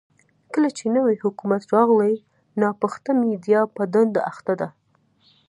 کله چې نوی حکومت راغلی، ناپخته میډيا په دنده اخته ده.